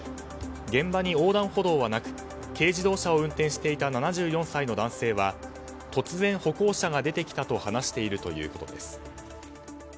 現場に横断歩道はなく軽自動車を運転していた７４歳の男性は突然、歩行者が出てきたと話しているということです。